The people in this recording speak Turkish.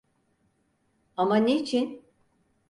Ama niçin?